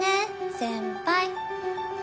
先輩！